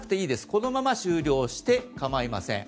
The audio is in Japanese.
このまま終了して構いません。